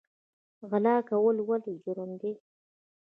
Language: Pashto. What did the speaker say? غلا کول ولې جرم دی؟